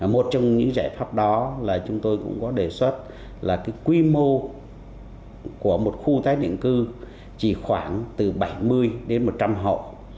một trong những giải pháp đó là chúng tôi cũng có đề xuất là cái quy mô của một khu tái định cư chỉ khoảng từ bảy mươi đến một trăm linh hộ